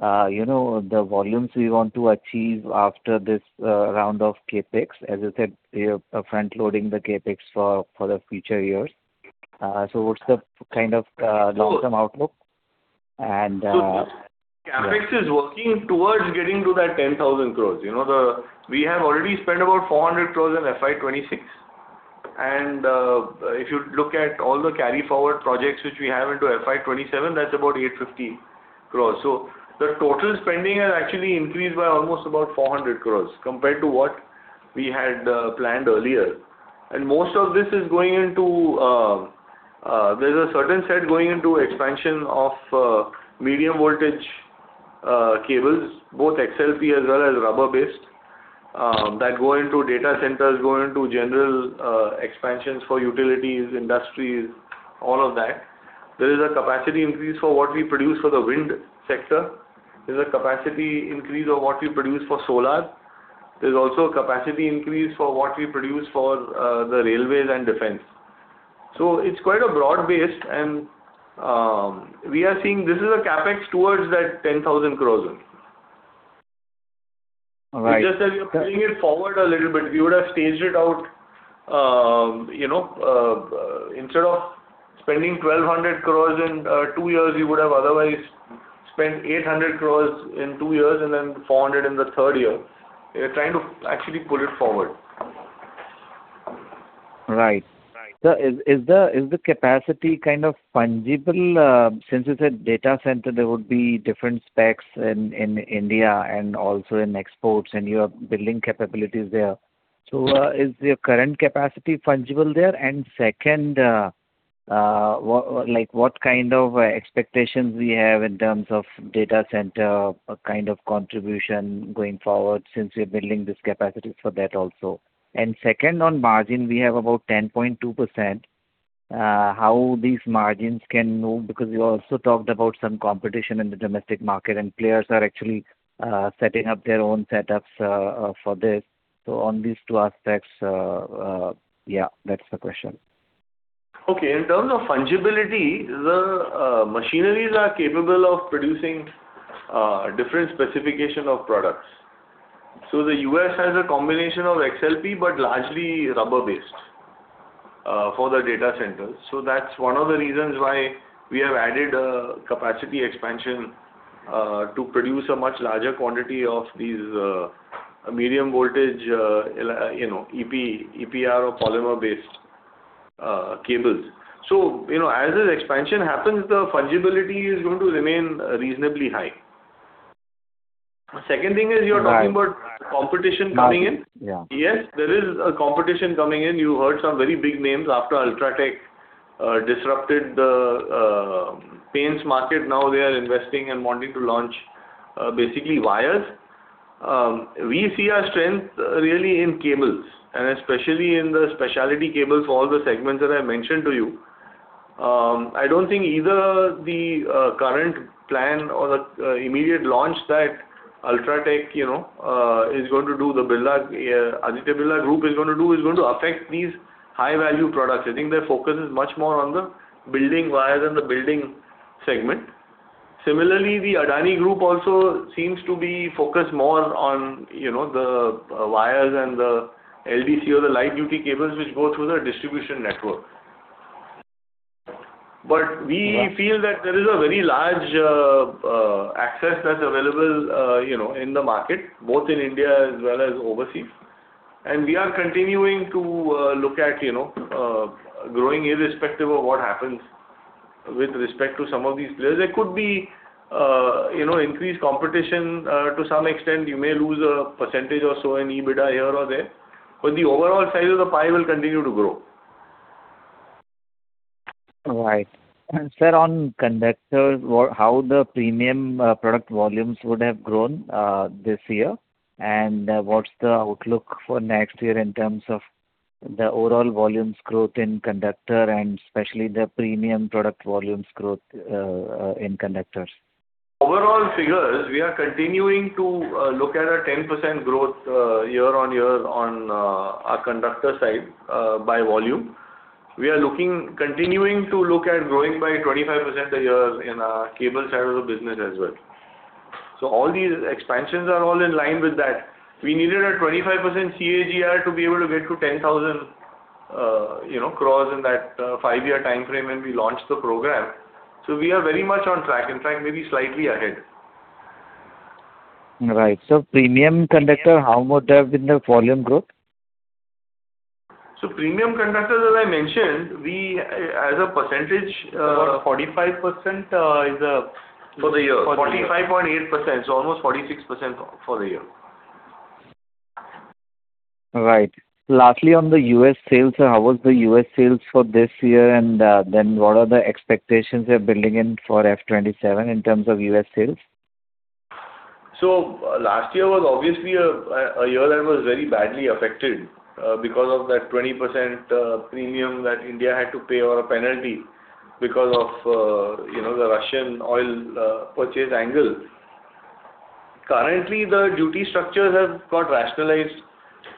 the volumes we want to achieve after this round of CapEx? As you said, you're front-loading the CapEx for the future years. What's the kind of long-term outlook? CapEx is working towards getting to that 10,000 crore. We have already spent about 400 crore in FY 2026. If you look at all the carry-forward projects which we have into FY 2027, that's about 850 crore. The total spending has actually increased by almost about 400 crore compared to what we had planned earlier. Most of this is, there's a certain set going into expansion of medium voltage cables, both XLPE as well as rubber-based, that go into data centers, go into general expansions for utilities, industries, all of that. There is a capacity increase for what we produce for the wind sector. There's a capacity increase of what we produce for solar. There's also a capacity increase for what we produce for the railways and defense. It's quite broad-based, and we are seeing this is a CapEx towards that 10,000 crore only. All right. It's just that we are bringing it forward a little bit. We would have staged it out. Instead of spending 1,200 crores in two years, you would have otherwise spent 800 crores in two years and then 400 crores in the third year. We're trying to actually pull it forward. Right. Sir, is the capacity kind of fungible? Since it's a data center, there would be different specs in India and also in exports, and you are building capabilities there. Is your current capacity fungible there? Second, what kind of expectations we have in terms of data center, kind of contribution going forward since we are building this capacity for that also? Second, on margin, we have about 10.2%. How these margins can move, because you also talked about some competition in the domestic market, and players are actually setting up their own setups for this. On these two aspects, yeah, that's the question. In terms of fungibility, the machineries are capable of producing different specification of products. The U.S. has a combination of XLPE, but largely rubber-based for the data centers. That's one of the reasons why we have added a capacity expansion to produce a much larger quantity of these medium voltage EPR or polymer-based cables. As this expansion happens, the fungibility is going to remain reasonably high. Second thing is you're talking about competition coming in. Yeah. Yes, there is a competition coming in. You heard some very big names after UltraTech disrupted the paints market. Now they are investing and wanting to launch basically wires. We see our strength really in cables, and especially in the specialty cables for all the segments that I mentioned to you. I don't think either the current plan or the immediate launch that UltraTech is going to do, the Aditya Birla Group is going to do, is going to affect these high-value products. I think their focus is much more on the building wire than the building segment. Similarly, the Adani Group also seems to be focused more on the wires and the LDC or the light duty cables which go through the distribution network. We feel that there is a very large access that's available in the market, both in India as well as overseas. We are continuing to look at growing irrespective of what happens with respect to some of these players. There could be increased competition to some extent. You may lose a percentage or so in EBITDA here or there, but the overall size of the pie will continue to grow. Right. Sir, on conductors, how the premium product volumes would have grown this year, and what's the outlook for next year in terms of the overall volumes growth in conductor and especially the premium product volumes growth in conductors? Overall figures, we are continuing to look at a 10% growth year on year on our conductor side by volume. We are continuing to look at growing by 25% a year in our cable side of the business as well. All these expansions are all in line with that. We needed a 25% CAGR to be able to get to 10,000 crores in that five-year timeframe when we launched the program. We are very much on track, in fact, maybe slightly ahead. Right. premium conductor, how much has been the volume growth? premium conductors, as I mentioned, as a percentage, 45% For the year. 45.8%, so almost 46% for the year. Right. Lastly, on the U.S. sales, how was the U.S. sales for this year? What are the expectations you're building in for FY 2027 in terms of U.S. sales? Last year was obviously a year that was very badly affected because of that 20% premium that India had to pay, or a penalty, because of the Russian oil purchase angle. Currently, the duty structures have got rationalized.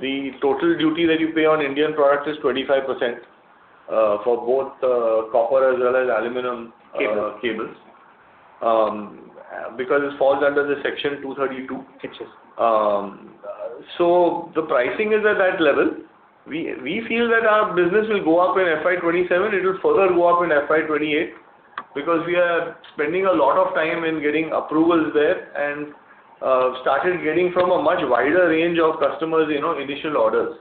The total duty that you pay on Indian products is 25% for both copper as well as aluminum cables, because it falls under the Section 232. It does. The pricing is at that level. We feel that our business will go up in FY 2027. It will further go up in FY 2028, because we are spending a lot of time in getting approvals there and started getting from a much wider range of customers initial orders.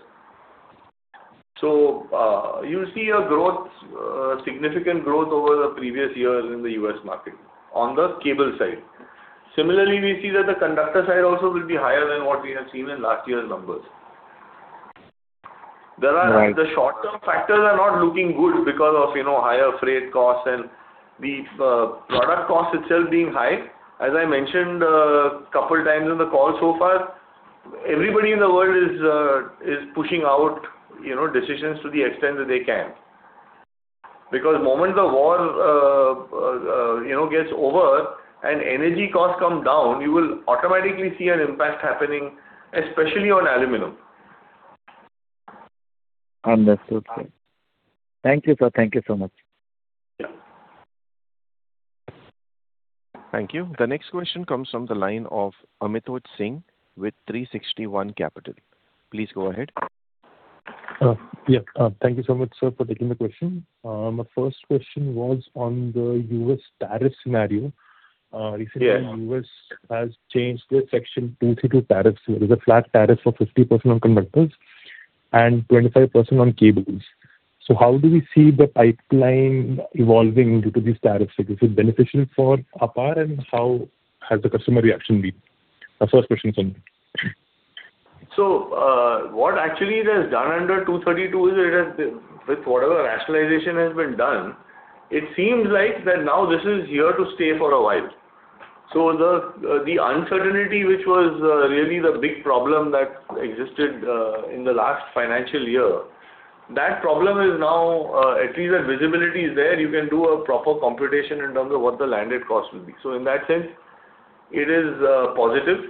You'll see a significant growth over the previous years in the U.S. market on the cable side. Similarly, we see that the conductor side also will be higher than what we have seen in last year's numbers. Right. The short-term factors are not looking good because of higher freight costs and the product cost itself being high. As I mentioned a couple times on the call so far, everybody in the world is pushing out decisions to the extent that they can. Moment the war gets over and energy costs come down, you will automatically see an impact happening, especially on aluminum. Understood, sir. Thank you, sir. Thank you so much. Yeah. Thank you. The next question comes from the line of Amitoj Singh with 360 ONE Capital. Please go ahead. Yeah. Thank you so much, sir, for taking the question. My first question was on the U.S. tariff scenario. Yeah. Recently, U.S. has changed the Section 232 tariffs. There is a flat tariff for 50% on conductors and 25% on cables. How do we see the pipeline evolving due to these tariff changes? Is it beneficial for APAR, and how has the customer reaction been? My first question, sir. What actually it has done under 232 is, with whatever rationalization has been done, it seems like that now this is here to stay for a while. The uncertainty which was really the big problem that existed in the last financial year, that problem is now, at least the visibility is there. You can do a proper computation in terms of what the landed cost will be. In that sense, it is positive.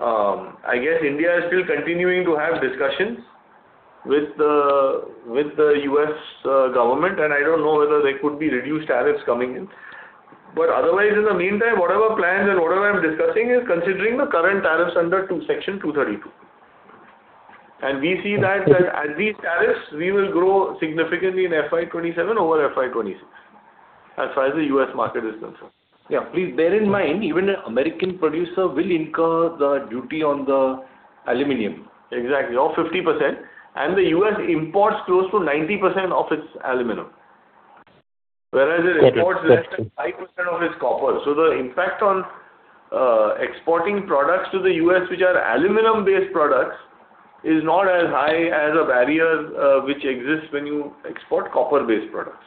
I guess India is still continuing to have discussions with the U.S. government, and I don't know whether there could be reduced tariffs coming in. Otherwise, in the meantime, whatever plans and whatever I'm discussing is considering the current tariffs under Section 232. We see that at these tariffs, we will grow significantly in FY 2027 over FY 2026, as far as the U.S. market is concerned. Yeah. Please bear in mind, even an American producer will incur the duty on the aluminum of 50%. Exactly. The U.S. imports close to 90% of its aluminum, whereas it imports less than 5% of its copper. The impact on exporting products to the U.S., which are aluminum-based products, is not as high as a barrier which exists when you export copper-based products.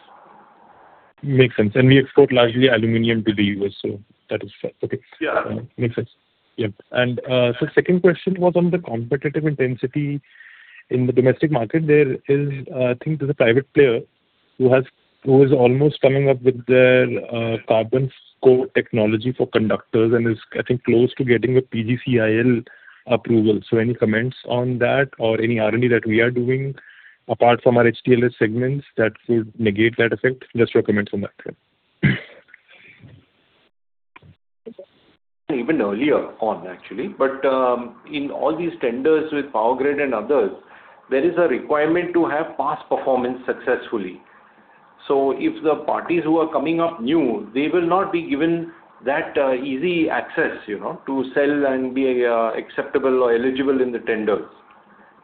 Makes sense. We export largely aluminum to the U.S., so that is fair. Okay. Yeah. Makes sense. Yeah. Sir, second question was on the competitive intensity in the domestic market. I think there's a private player who is almost coming up with their carbon core technology for conductors and is, I think, close to getting a PGCIL approval. Any comments on that or any R&D that we are doing apart from our HTLS segments that would negate that effect? Just your comments on that, sir. Even earlier on, actually. In all these tenders with Power Grid and others, there is a requirement to have past performance successfully. If the parties who are coming up new, they will not be given that easy access to sell and be acceptable or eligible in the tenders.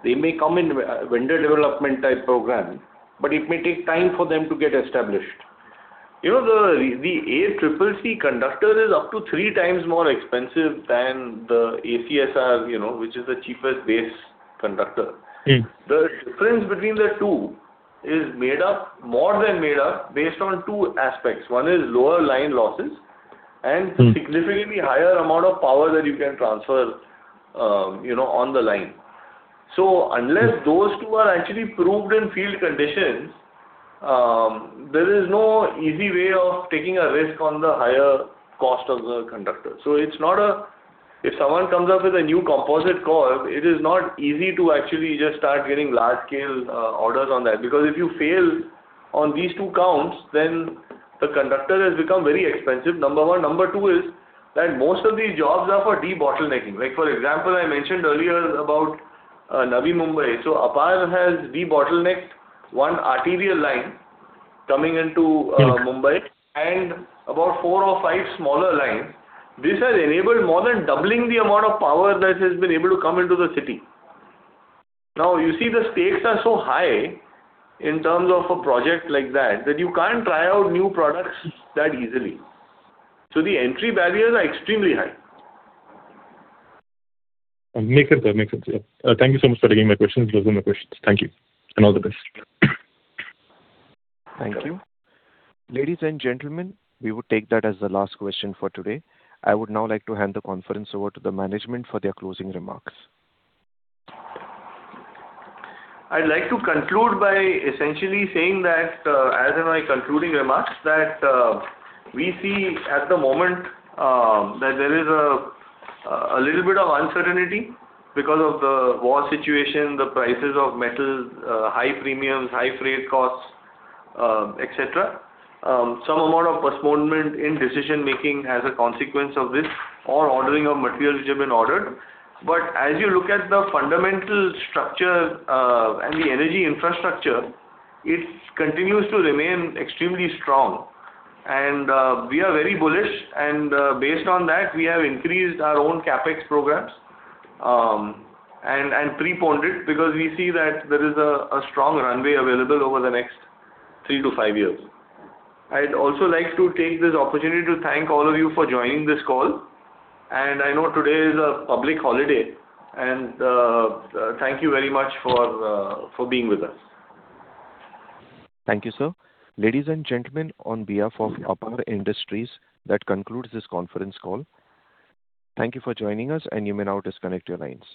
They may come in vendor development type program, but it may take time for them to get established. The ACCC conductor is up to three times more expensive than the ACSR, which is the cheapest base conductor. The difference between the two is more than made up based on two aspects. One is lower line losses and significantly higher amount of power that you can transfer on the line. Unless those two are actually proved in field conditions, there is no easy way of taking a risk on the higher cost of the conductor. If someone comes up with a new composite core, it is not easy to actually just start getting large scale orders on that, because if you fail on these two counts, then the conductor has become very expensive, number one. Number two is that most of these jobs are for de-bottlenecking. Like for example, I mentioned earlier about Navi Mumbai. APAR has de-bottlenecked one arterial line coming into Mumbai and about four or five smaller lines. This has enabled more than doubling the amount of power that has been able to come into the city. Now you see the stakes are so high in terms of a project like that you can't try out new products that easily. The entry barriers are extremely high. Makes sense. Thank you so much for taking my questions. Those were my questions. Thank you and all the best. Thank you. Ladies and gentlemen, we would take that as the last question for today. I would now like to hand the conference over to the management for their closing remarks. I'd like to conclude by essentially saying that, as in my concluding remarks, that we see at the moment that there is a little bit of uncertainty because of the war situation, the prices of metals, high premiums, high freight costs, et cetera. Some amount of postponement in decision making as a consequence of this or ordering of materials which have been ordered. As you look at the fundamental structure and the energy infrastructure, it continues to remain extremely strong. We are very bullish and based on that, we have increased our own CapEx programs, and preponed it because we see that there is a strong runway available over the next three to five years. I'd also like to take this opportunity to thank all of you for joining this call, and I know today is a public holiday, and thank you very much for being with us. Thank you, sir. Ladies and gentlemen, on behalf of APAR Industries, that concludes this conference call. Thank you for joining us, you may now disconnect your lines.